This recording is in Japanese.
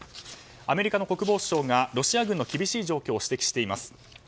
アメリカの国防省がロシア軍の厳しい状況を指摘しています。